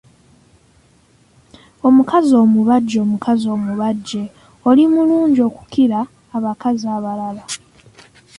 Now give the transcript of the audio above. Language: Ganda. Omukazi omubajje, omukazi omubajje Oli mulungi okukira abakazi abalala.